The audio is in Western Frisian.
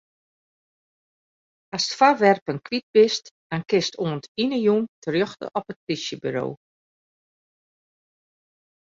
Ast foarwerpen kwyt bist, dan kinst oant yn 'e jûn terjochte op it plysjeburo.